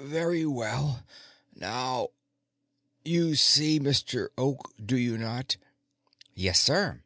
"Very well. Now, you see Mr. Oak, do you not?" "Yes, sir."